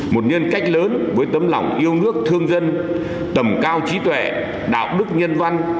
một nhân cách lớn với tấm lòng yêu nước thương dân tầm cao trí tuệ đạo đức nhân văn